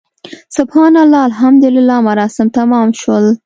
سبحان الله، الحمدلله مراسم تمام شول.